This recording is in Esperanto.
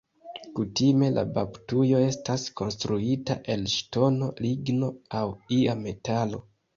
Kutime la baptujo estas konstruita el ŝtono, ligno aŭ ia metalo.